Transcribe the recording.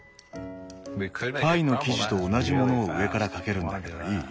パイの生地と同じものを上からかけるんだけどいい？